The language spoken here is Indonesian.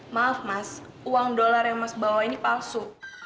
maaf mas uang dolar yang mas bawa ini palsu